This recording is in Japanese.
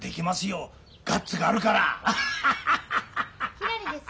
・ひらりです。